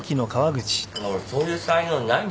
俺そういう才能ないんだ。